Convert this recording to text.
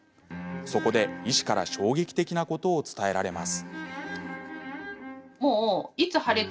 そこで、医師から衝撃的なことを伝えられます。